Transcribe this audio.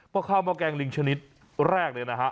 พ่อข้าวมาแกงลิงชนิดแรกเนี่ยนะฮะ